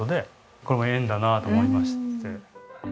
これも縁だなと思いまして。